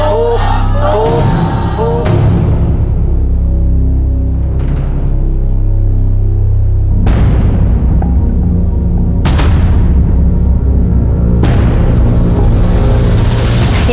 ถูก